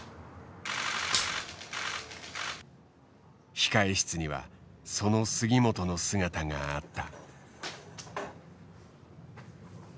控え室にはその杉本の姿があった。